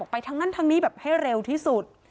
ไปทางนั้นทางนี้แบบให้เร็วที่สุด